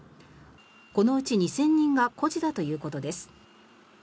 このうち２０００人が孤児だということです。